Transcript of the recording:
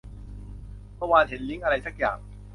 เมื่อวานเห็นลิงก์อะไรซักอย่าง